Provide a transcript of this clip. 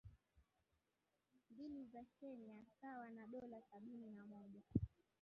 mbili za Kenya sawa na dola sabini na mmoja